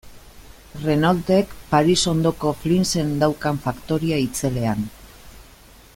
Renaultek Paris ondoko Flinsen daukan faktoria itzelean.